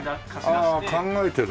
ああ考えてるね。